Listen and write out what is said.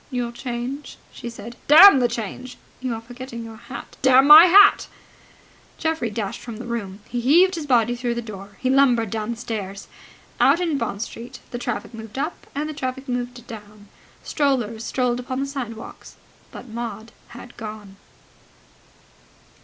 "Your change?" she said. "Damn the change!" "You are forgetting your hat." "Damn my hat!" Geoffrey dashed from the room. He heaved his body through the door. He lumbered down the stairs. Out in Bond Street the traffic moved up and the traffic moved down. Strollers strolled upon the sidewalks. But Maud had gone.